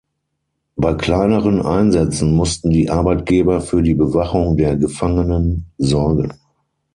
Bei kleineren Einsätzen mussten die Arbeitgeber für die Bewachung der Gefangenen sorgen.